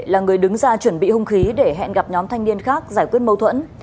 là người đứng ra chuẩn bị hung khí để hẹn gặp nhóm thanh niên khác giải quyết mâu thuẫn